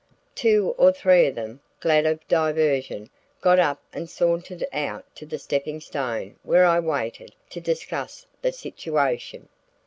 Two or three of them, glad of a diversion, got up and sauntered out to the stepping stone where I waited, to discuss the situation.